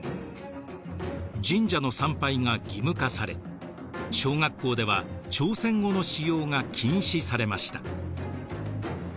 神社の参拝が義務化され小学校では朝鮮語の使用が禁止されました。